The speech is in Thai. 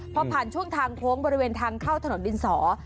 พอผ่านช่วงทางโค้งบริเวณทางเข้าถนนดินสอ